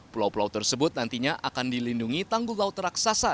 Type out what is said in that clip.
pulau pulau tersebut nantinya akan dilindungi tanggul laut raksasa